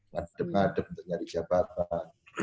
ngadep ngadep untuk nyari jabatan